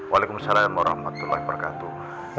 waalaikumsalam warahmatullahi wabarakatuh